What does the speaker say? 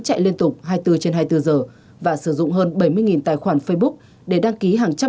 chạy liên tục hai mươi bốn trên hai mươi bốn giờ và sử dụng hơn bảy mươi tài khoản facebook để đăng ký hàng trăm